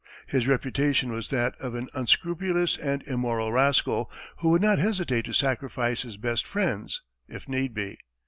His reputation was that of an unscrupulous and immoral rascal, who would not hesitate to sacrifice his best friends, if need be.